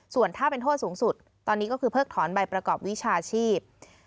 ส่วนถ้าเป็นโทษสูงสุดตอนนี้ก็คือเพิกถอนใบประกอบวิชาชีพ